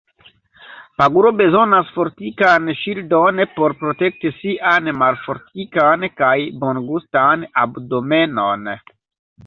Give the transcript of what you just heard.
Paguro bezonas fortikan ŝildon por protekti sian malfortikan kaj bongustan abdomenon.